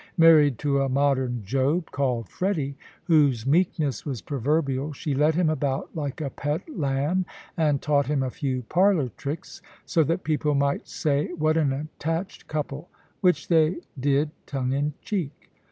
Married to a modern Job, called Freddy, whose meekness was proverbial, she led him about like a pet lamb and taught him a few parlor tricks, so that people might say, "What an attached couple"; which they did, tongue in cheek.